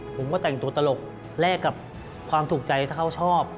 ผมก็แต่งตัวตลกแลกกับความถูกใจถ้าเขาชอบ